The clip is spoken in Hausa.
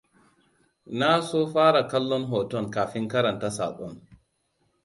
Na so fara kallon hoton kafin karanta saƙon.